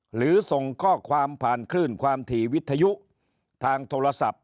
หรือส่งข้อความผ่านคลื่นความถี่วิทยุทางโทรศัพท์